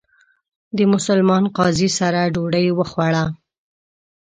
د مسلمان قاضي سره ډوډۍ وخوړه.